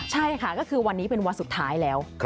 ใช่ค่ะก็คือวันนี้เป็นวันสุดท้ายแล้ว